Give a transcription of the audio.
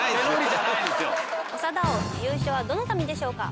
長田王優勝はどの民でしょうか？